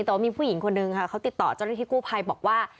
แต่ว่ามีผู้หญิงคนนึงค่ะเขาติดต่อเจ้าหน้าที่กู้ภัยบอกว่า